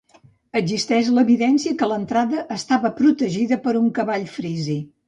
Existeix l'evidència que l'entrada estava protegida per un cavall frisi.